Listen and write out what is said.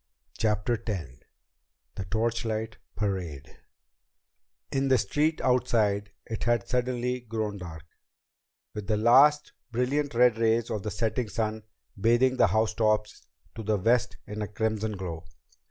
CHAPTER X The Torchlight Parade In the street outside it had suddenly grown dark, with the last, brilliant red rays of the setting sun bathing the housetops to the west in a crimson glow.